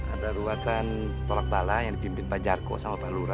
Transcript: ada ruatan tolak bala yang dipimpin pak jarko sama pak lura